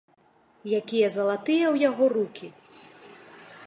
Якія залатыя ў яго рукі!